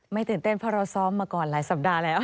ตื่นเต้นเพราะเราซ้อมมาก่อนหลายสัปดาห์แล้ว